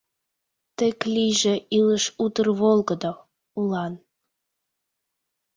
Тек лийже илыш утыр волгыдо, улан.